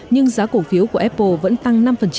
nhưng giá cổ phiếu của apple vẫn tăng năm